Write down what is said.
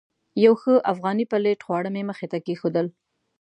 یو ښه افغاني پلیټ خواړه مې مخې ته کېښودل.